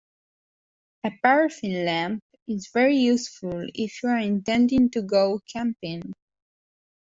A paraffin lamp is very useful if you're intending to go camping